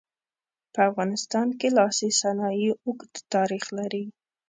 په افغانستان کې لاسي صنایع اوږد تاریخ لري.